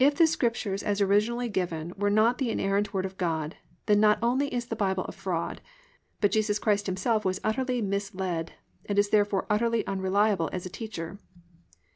If the Scriptures as originally given were not the inerrant Word of God, then not only is the Bible a fraud, but Jesus Christ Himself was utterly misled and is therefore utterly unreliable as a teacher.